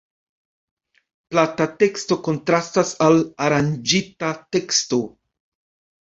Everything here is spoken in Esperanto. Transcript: Plata teksto kontrastas al aranĝita teksto.